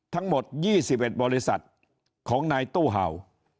ทั้งหมด๒๑บริษัทของนายตู้เห่า